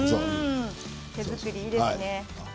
手作りいいですね。